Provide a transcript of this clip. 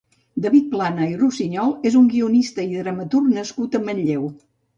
David Plana i Rusiñol és un guionistat i dramaturg nascut a Manlleu.